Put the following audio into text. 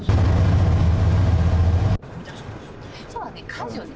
家事をね